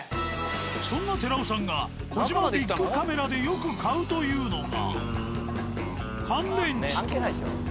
そんな寺尾さんが「コジマ×ビックカメラ」でよく買うというのが。